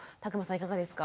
いかがですか？